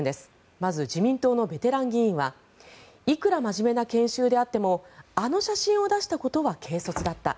まず自民党のベテラン議員はいくら真面目な研修であってもあの写真を出したことは軽率だった。